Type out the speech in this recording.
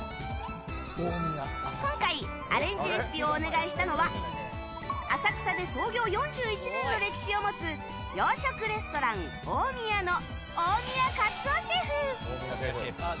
今回アレンジレシピをお願いしたのは浅草で創業４１年の歴史を持つ洋食レストラン大宮の大宮勝雄シェフ。